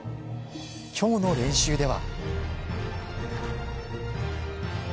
今日の練習では。